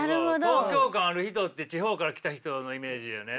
東京感ある人って地方から来た人のイメージよね。